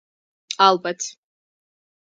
ალბათ